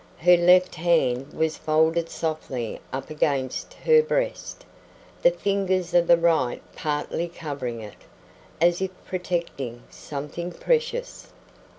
Her left hand was folded softly up against her breast, the fingers of the right partly covering it, as if protecting something precious.